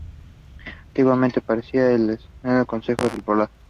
Antiguamente pertenecía al desaparecido concejo de El Vado.